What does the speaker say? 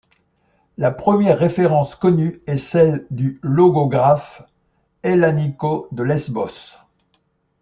La première référence connue est celle du logographe Hellanicos de Lesbos.